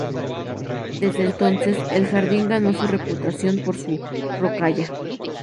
Desde entonces el jardín ganó su reputación por su rocalla.